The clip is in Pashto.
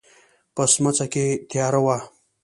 په سمڅه کې تياره وه.